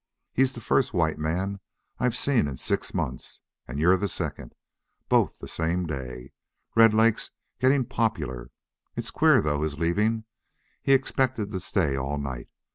He's the first white man I've seen in six months, and you're the second. Both the same day!... Red Lake's getting popular! It's queer, though, his leaving. He expected to stay all night.